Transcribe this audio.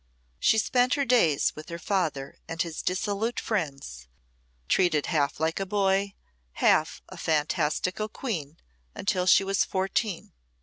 She spent her days with her father and his dissolute friends, treated half like a boy, half a fantastical queen, until she was fourteen.